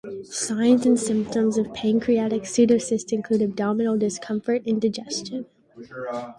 Signs and symptoms of pancreatic pseudocyst include abdominal discomfort, indigestion.